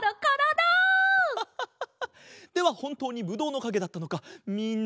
ではほんとうにぶどうのかげだったのかみんなにみせてあげよう。